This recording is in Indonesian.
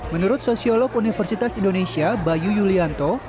menurut sosiolog universitas indonesia bayu yulianto